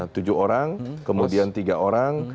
tujuh orang kemudian tiga orang